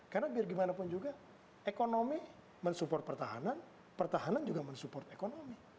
karena biar gimana pun juga ekonomi mensupport pertahanan pertahanan juga mensupport ekonomi